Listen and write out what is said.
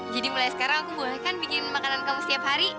jadi mulai sekarang aku bolehkan bikin makanan kamu setiap hari